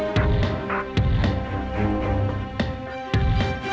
saya panggil depends